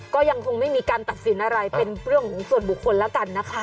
ก็ยังคงไม่มีการตัดสินอะไรเป็นเรื่องของส่วนบุคคลแล้วกันนะคะ